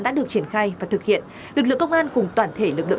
hãy đăng ký kênh để ủng hộ kênh của chúng mình nhé